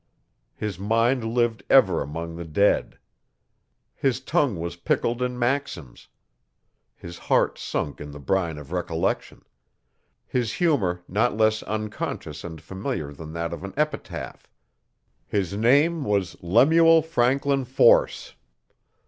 His mind lived ever among the dead. His tongue was pickled in maxims; his heart sunk in the brine of recollection; his humour not less unconscious and familiar than that of an epitaph; his name was Lemuel Framdin Force.